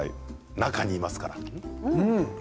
中にいますから。